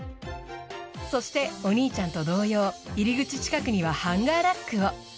そしてお兄ちゃんと同様入口近くにはハンガーラックを。